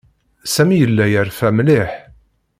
Sami yella yerfa mliḥ.